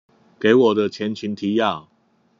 給我的前情提要